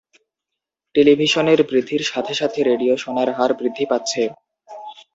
টেলিভিশনের বৃদ্ধির সাথে সাথে রেডিও শোনার হার বৃদ্ধি পাচ্ছে।